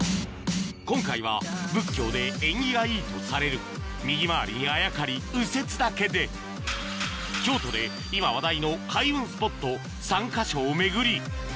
今回は仏教で縁起がいいとされる右回りにあやかり右折だけで京都で今話題の開運スポット３か所を巡り